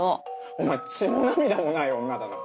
お前血も涙もない女だな。